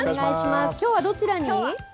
きょうはどちらに？